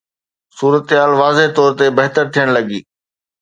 صورتحال واضح طور تي بهتر ٿيڻ لڳي.